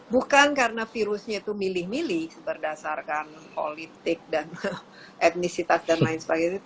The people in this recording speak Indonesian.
bukan karena virusnya itu milih milih berdasarkan politik dan etnisitas dan lain sebagainya